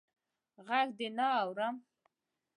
ږغ دي نه اورم.